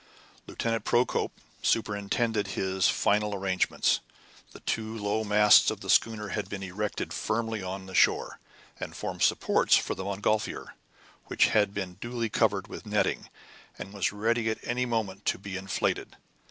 Lieutenant Procope superintended his final arrangements. The two low masts of the schooner had been erected firmly on the shore, and formed supports for the montgolfier, which had been duly covered with the netting, and was ready at any moment to be inflated.